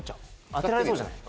当てられそうじゃない？